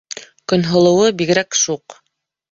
Көнһылыуы бигерәк шуҡ.